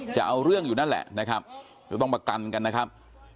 จะเอาเรื่องอยู่นั่นแหละนะครับก็ต้องประกันกันนะครับ